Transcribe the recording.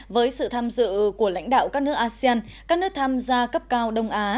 với sự tham dự của lãnh đạo các nước asean các nước tham gia cấp cao đông á